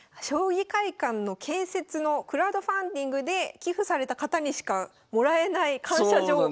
将棋会館の建設のクラウドファンディングで寄付された方にしかもらえない感謝状。